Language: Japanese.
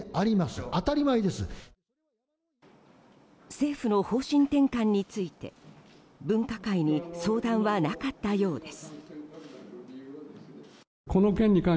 政府の方針転換について分科会に相談はなかったようです。